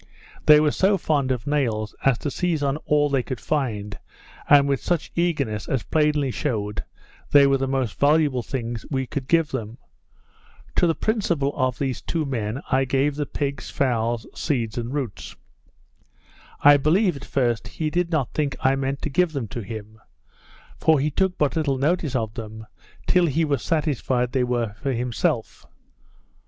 They were so fond of nails, as to seize on all they could find, and with such eagerness, as plainly shewed they were the most valuable things we could give them. To the principal of these two men I gave the pigs, fowls, seeds, and roots. I believe, at first, he did not think I meant to give them to him; for he took but little notice of them, till he was satisfied they were for himself.